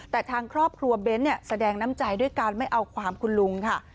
แต่ทางครอบครัวเบ้นแสดงน้ำใจด้วยการไม่เอาความคุณลุงค่ะ